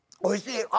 「おいしい。